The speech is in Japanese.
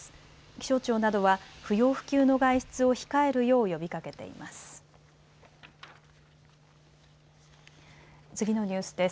気象庁などは不要不急の外出を控えるよう呼びかけています。